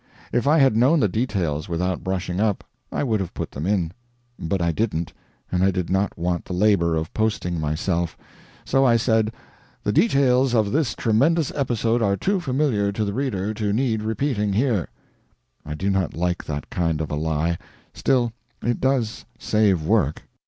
If I had known the details without brushing up, I would have put them in; but I didn't, and I did not want the labor of posting myself; so I said, "The details of this tremendous episode are too familiar to the reader to need repeating here." I do not like that kind of a lie; still, it does save work.